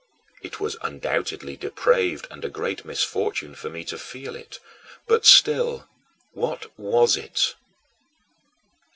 It was undoubtedly depraved and a great misfortune for me to feel it. But still, what was it?